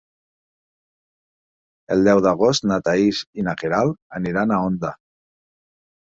El deu d'agost na Thaís i na Queralt aniran a Onda.